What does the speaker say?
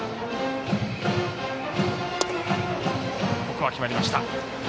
ここは決まりました。